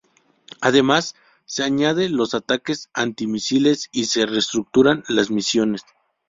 Además, se añade los ataques anti-misiles y se reestructura las misiones.